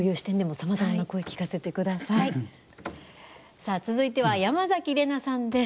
さあ、続いては山崎怜奈さんです。